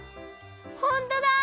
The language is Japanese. ほんとだ！